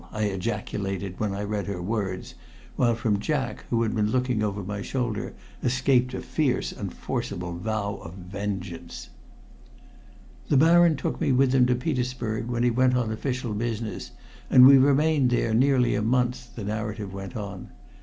I ejaculated, when I read her words, while from Jack, who had been looking over my shoulder, escaped a fierce and forcible vow of vengeance. "The Baron took me with him to Petersburg when he went on official business, and we remained there nearly a month," the narrative went on.